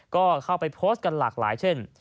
ก็เข้าไปโพสต์กันหลากหลายเช่น